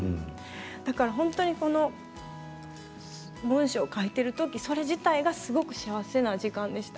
だから本当に文章を書いている時、それ自体がすごく幸せな時間でした。